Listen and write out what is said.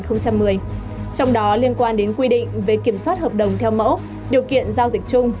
trong đó liên quan đến quy định về kiểm soát hợp đồng theo mẫu điều kiện giao dịch chung